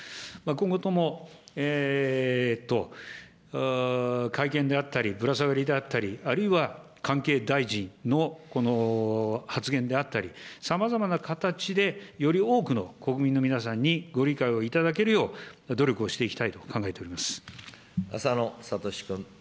今後とも、会見であったり、ぶら下がりであったり、あるいは関係大臣の発言であったり、さまざまな形で、より多くの国民の皆さんに、ご理解をいただけるよう、努浅野哲君。